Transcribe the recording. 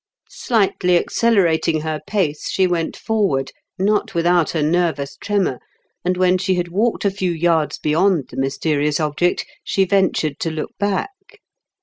Slightly accelerating her pace, she went forward, not without a nervous tremor ; and when she had walked a few yards beyond the mysterious object she ventured to look back.